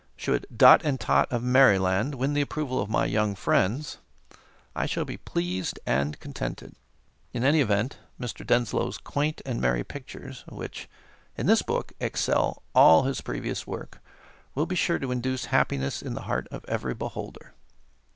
Should "Dot and Tot of Merryland" win the approval of my young friends, I shall be pleased and contented. In any event Mr. Denslow's quaint and merry pictures, which, in this book excel all his previous work, will be sure to induce happiness in the heart of every beholder.